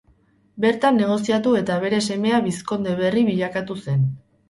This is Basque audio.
Bertan negoziatu eta bere semea bizkonde berri bilakatu zen.